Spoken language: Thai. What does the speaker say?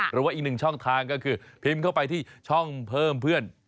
หรือว่าอีกหนึ่งช่องทางก็คือพิมพ์เข้าไปที่ช่องเพิ่มเพื่อน